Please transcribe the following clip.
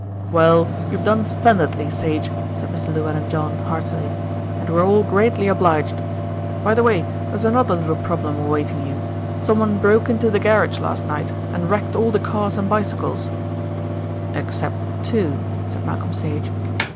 "Well, you have done splendidly, Sage," said Mr. Llewellyn John heartily, "and we are all greatly obliged. By the way, there's another little problem awaiting you. Someone broke into the garage last night and wrecked all the cars and bicycles " "Except two," said Malcolm Sage.